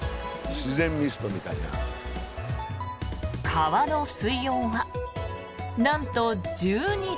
川の水温は、なんと１２度。